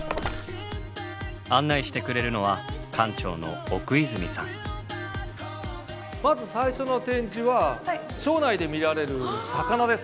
案内してくれるのはまず最初の展示は庄内で見られる魚です。